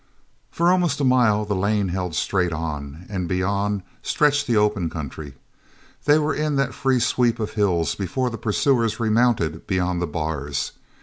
For almost a mile the lane held straight on, and beyond stretched the open country. They were in that free sweep of hills before the pursuers remounted beyond the bars.